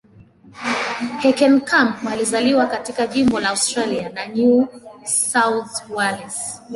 Heckenkamp alizaliwa katika jimbo la Australia la New South Wales.